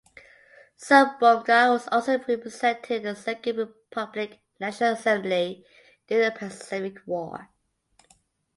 Zamboanga was also represented in the Second Republic National Assembly during the Pacific War.